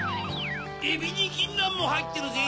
エビにギンナンもはいってるぜ！